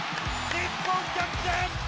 日本、逆転。